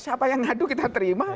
siapa yang ngadu kita terima